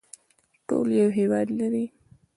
ټول یو هیواد لري